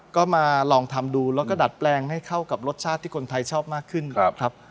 ก็มาลองทำดูแล้วก็ดัดแปลงให้เข้ากับรสชาติที่คนไทยชอบมากขึ้นครับ